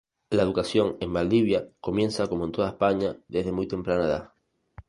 La educación en Valdivia comienza como en toda España, desde muy temprana edad.